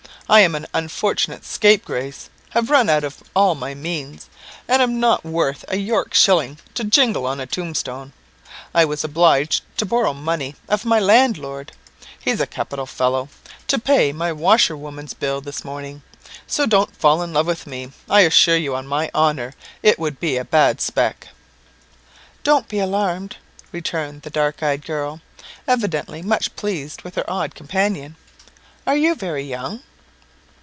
I am an unfortunate scapegrace, have run out all my means, and am not worth a York shilling to jingle on a tombstone. I was obliged to borrow money of my landlord he's a capital fellow to pay my washerwoman's bill this morning. So don't fall in love with me. I assure you, on my honour, it would be a bad spec." "Don't be alarmed," returned the dark eyed girl, evidently much pleased with her odd companion. "Are you very young?"